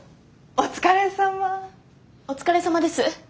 お疲れさまです。